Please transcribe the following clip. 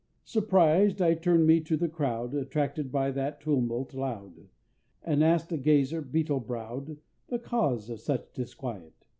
Surprised, I turn'd me to the crowd, Attracted by that tumult loud, And ask'd a gazer, beetle brow'd, The cause of such disquiet.